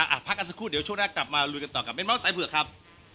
พักกันสักครู่เดี๋ยวช่วงหน้ากลับมาลุยกันต่อกับเมนเมาส์สายเผือกครับ